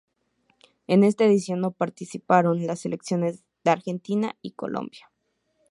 En esta edición no participaron las selecciones de Argentina y Colombia.